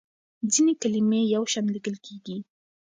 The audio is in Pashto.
ځینې کلمې یو شان لیکل کېږي.